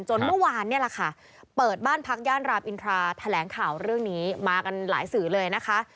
เมื่อวานเนี่ยแหละค่ะเปิดบ้านพักย่านรามอินทราแถลงข่าวเรื่องนี้มากันหลายสื่อเลยนะคะ